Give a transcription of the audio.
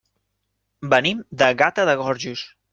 Venim de Gata de Gorgos.